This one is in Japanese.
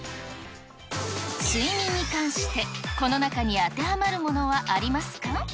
睡眠に関して、この中に当てはまるものはありますか？